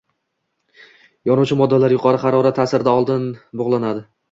yonuvchi moddalar yuqori harorat ta’sirida oldin bug’lanadi